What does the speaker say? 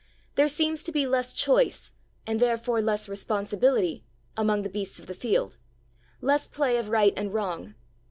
There seems to be less choice, and therefore less responsibility, among the beasts of the field; less play of right and wrong.